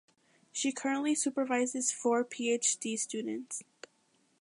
She currently supervises four PhD students.